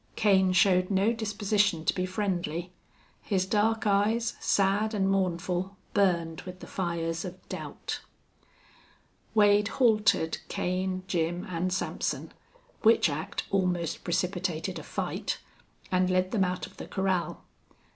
Kane showed no disposition to be friendly. His dark eyes, sad and mournful, burned with the fires of doubt. Wade haltered Kane, Jim, and Sampson, which act almost precipitated a fight, and led them out of the corral.